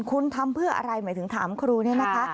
คุณทำเพื่ออะไรหมายถึงถามครูเนี่ยนะคะ